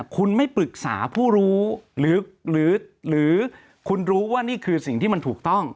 คุณไม่ปรึกษาผู้รู้หรือคุณรู้ว่านี่คือสิ่งที่มันถูกต้อง